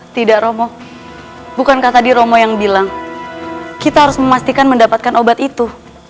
tidak romo bukankah tadi romo yang bilang kita harus memastikan mendapatkan obat itu